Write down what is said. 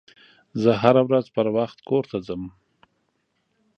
زه هره ورځ پروخت کور ته ځم